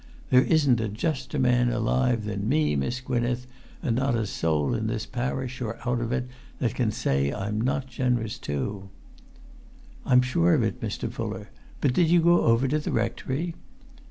There isn't a juster man alive than me, Miss Gwynneth; and not a soul in this parish, or out of it, that can say I'm not generous too." "I'm sure of it, Mr. Fuller. But did you go over to the rectory?"